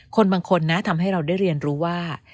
คนบางคนนะทำให้เราได้เรียนรู้ว่า